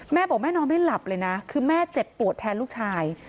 แม่บอกแม่นอนไม่หลับเลยนะคือแม่เจ็บปวดแทนลูกชาย